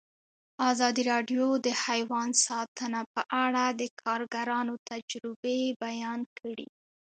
ازادي راډیو د حیوان ساتنه په اړه د کارګرانو تجربې بیان کړي.